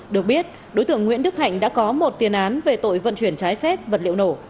được biết đối tượng nguyễn đức hạnh đã có một tiền án về tội vận chuyển trái phép vật liệu nổ